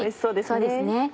そうですね。